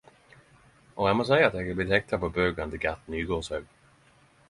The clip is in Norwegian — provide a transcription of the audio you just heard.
Å eg må si att eg er blitt hektet på bøkene til Gert Nygårdshaug